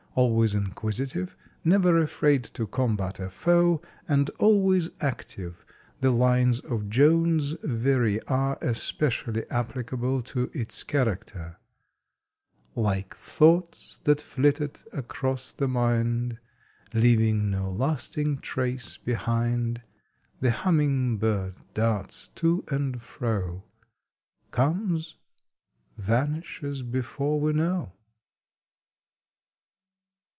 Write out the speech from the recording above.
Always inquisitive, never afraid to combat a foe and always active, the lines of Jones Very are especially applicable to its character: Like thoughts that flitted across the mind, Leaving no lasting trace behind, The humming bird darts to and fro, Comes, vanishes before we know.